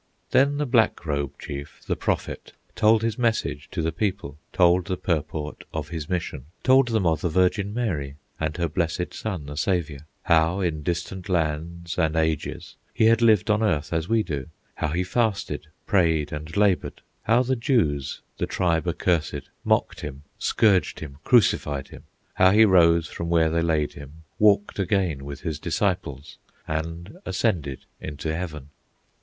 Then the Black Robe chief, the Prophet, Told his message to the people, Told the purport of his mission, Told them of the Virgin Mary, And her blessed Son, the Saviour, How in distant lands and ages He had lived on earth as we do; How he fasted, prayed, and labored; How the Jews, the tribe accursed, Mocked him, scourged him, crucified him; How he rose from where they laid him, Walked again with his disciples, And ascended into heaven.